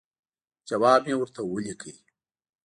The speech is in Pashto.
جواب مې ورته ولیکه.